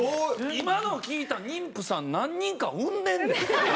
今の聴いた妊婦さん何人か産んでるで！